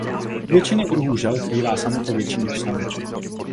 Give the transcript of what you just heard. U většiny druhů želv bývá samice větší než samec.